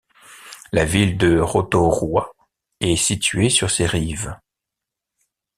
La ville de Rotorua est située sur ses rives.